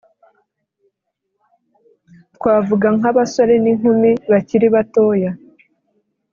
twavuga nk'abasore n'inkumi bakiri batoya,